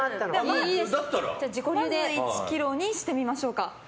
まず１ｋｇにしてみましょうか。